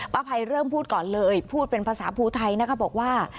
ภัยเริ่มพูดก่อนเลยพูดเป็นภาษาภูไทยนะคะบอกว่า